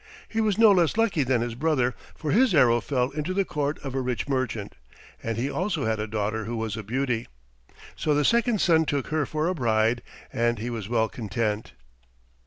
He was no less lucky than his brother, for his arrow fell into the court of a rich merchant, and he also had a daughter who was a beauty. So the second son took her for a bride, and he was well content.